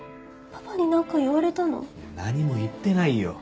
何も言ってないよ。